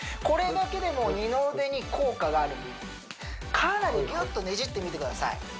これだけでも二の腕に効果があるのでかなりギュッとねじってみてください